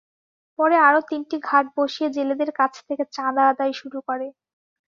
পরে আরও তিনটি ঘাট বসিয়ে জেলেদের কাছ থেকে চাঁদা আদায় শুরু করে।